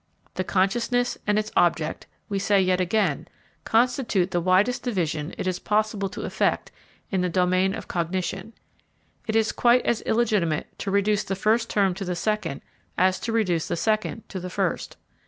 The consciousness and its object, we say yet again, constitute the widest division it is possible to effect in the domain of cognition; it is quite as illegitimate to reduce the first term to the second as to reduce the second to the first.